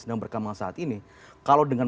sedang berkembang saat ini kalau dengan